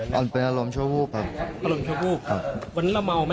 วันนั้นเราเมาไหมเมื่อกี้รู้กัน